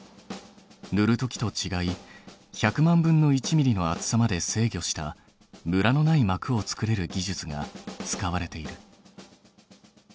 ぬるときとちがい１００万分の１ミリの厚さまで制御したムラのないまくを作れる技術が使われている。